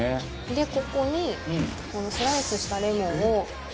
でここにこのスライスしたレモンを。